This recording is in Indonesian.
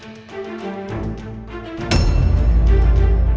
kam berapa misalnya juga mas prototypes big